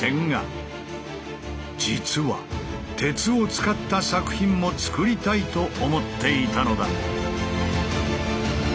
実は鉄を使った作品も作りたいと思っていたのだ。